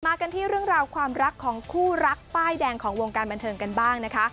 กันที่เรื่องราวความรักของคู่รักป้ายแดงของวงการบันเทิงกันบ้างนะคะ